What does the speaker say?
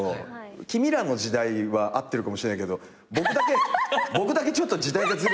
君らの時代は合ってるかもしれないけど僕だけちょっと時代がずれて大丈夫ですか？